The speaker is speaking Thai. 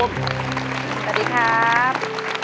สวัสดีครับ